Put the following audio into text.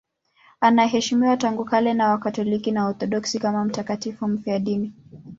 Anaheshimiwa tangu kale na Wakatoliki na Waorthodoksi kama mtakatifu mfiadini.